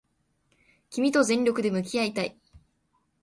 君と全力で向き合いたい